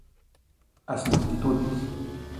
As multitudes